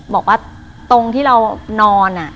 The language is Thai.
บอกว่าตรงที่เรานอน